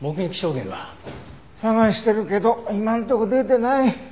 捜してるけど今んとこ出てない。